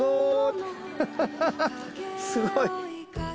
すごいね。